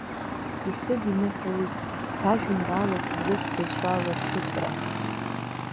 Исыдиныҳәалеит сажәеинраалақәа урыс бызшәала рҭыҵра.